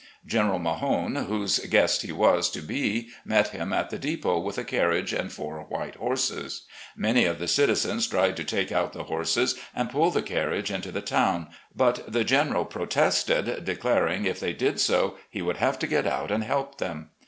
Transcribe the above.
General Mahone, whose guest he was to be, met him at the depot with a carriage and four white horses. Many of the citizens tried to take out the horses and pull the carriage into the town, but the General protested, declaring, if they did so, he would have to get out and help them.